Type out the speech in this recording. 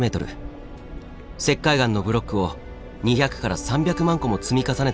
石灰岩のブロックを２００から３００万個も積み重ねたと考えられています。